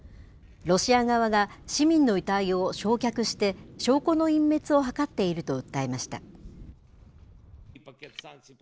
ロシア側が市民の遺体を焼却して、証拠の隠滅を図っていると訴えました。